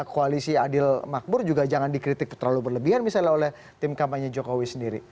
koalisi adil makmur juga jangan dikritik terlalu berlebihan misalnya oleh tim kampanye jokowi sendiri